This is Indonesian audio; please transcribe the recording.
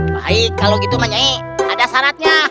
baik kalo gitu mah nyai ada syaratnya